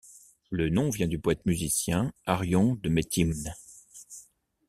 Le nom vient du poète-musicien Arion de Méthymne.